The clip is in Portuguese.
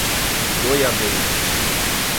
Goiabeira